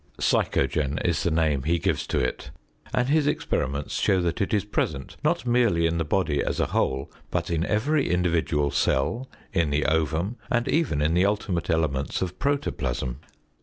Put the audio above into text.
Psychogen is the name he gives to it, and his experiments show that it is present not merely in the body as a whole, but in every individual cell, in the ovum, and even in the ultimate elements of protoplasm.